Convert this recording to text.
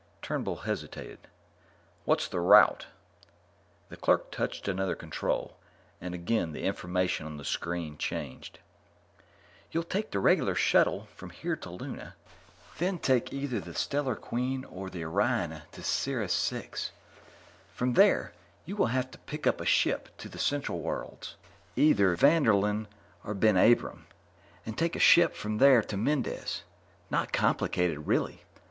Turnbull hesitated. "What's the route?" The clerk touched another control, and again the information on the screen changed. "You'll take the regular shuttle from here to Luna, then take either the Stellar Queen or the Oriona to Sirius VI. From there, you will have to pick up a ship to the Central Worlds either to Vanderlin or BenAbram and take a ship from there to Mendez. Not complicated, really.